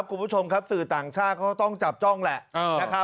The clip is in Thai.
คุณผู้ชมครับสื่อต่างชาติเขาก็ต้องจับจ้องแหละ